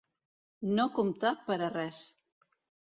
No comptar per a res.